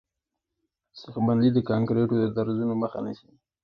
سیخ بندي د کانکریټو د درزونو مخه نیسي